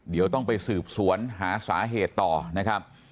เดี๋ยวต้องไปสืบสวนหาสาเหตุต่อนะครับ